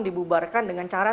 dibubarkan dengan cara